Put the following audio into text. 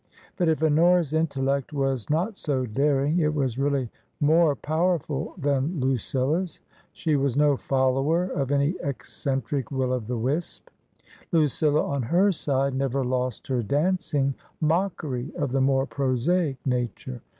But if Honora's intellect was not so daring, it was really more powerful than Lucilla's; she was no follower of any eccentric will o' the wisp; Lucilla, on her side, never lost her dancing mockery of the more prosaic nature.